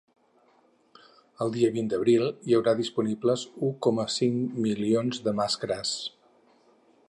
El dia vint d’abril hi haurà disponibles u coma cinc milions de màscares.